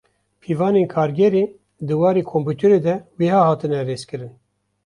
Pîvanên Kargerê di warê komputerê de wiha hatine rêzkirin.